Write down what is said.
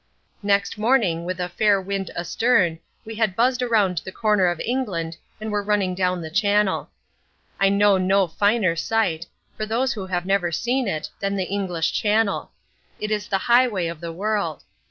Next morning with a fair wind astern we had buzzed around the corner of England and were running down the Channel. I know no finer sight, for those who have never seen it, than the English Channel. It is the highway of the world.